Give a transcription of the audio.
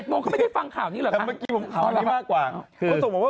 รู้ไหมคะเราก็อยากเขารู้